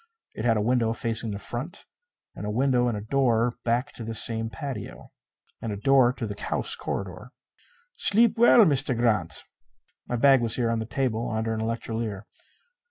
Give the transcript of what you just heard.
It had a window facing the front; and a window and door back to this same patio. And a door to the house corridor. "Sleep well, Meester Grant." My bag was here on the table under an electrolier.